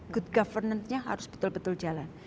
good governance nya harus betul betul jalan